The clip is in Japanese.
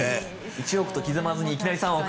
１億と刻まずにいきなり３億。